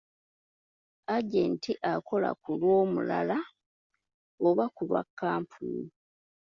Agenti akola ku lw'omulala oba ku lwa kkampuni.